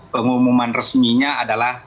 pengumuman resminya adalah